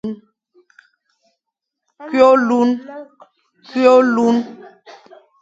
Kü ôlun,